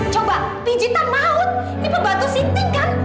coba pijitan maut ini pembantu sinting kan